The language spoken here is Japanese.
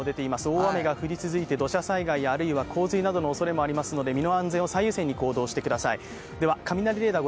大雨が降り続いて土砂災害や洪水などのおそれもありますので、身の安全を最優先に行動してください。